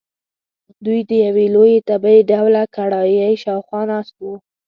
دوی د یوې لویې تبۍ ډوله کړایۍ شاخوا ناست وو.